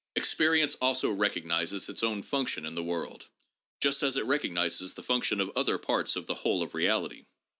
Experience also recognizes its own function in the world, just as it recognizes the function of other parts of the whole of reality.